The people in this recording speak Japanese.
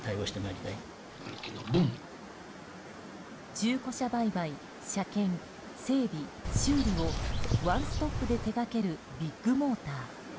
中古車売買・車検整備・修理をワンストップで手掛けるビッグモーター。